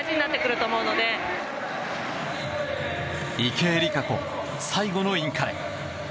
池江璃花子、最後のインカレ。